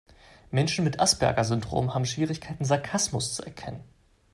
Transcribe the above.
Menschen mit Asperger-Syndrom haben Schwierigkeiten, Sarkasmus zu erkennen.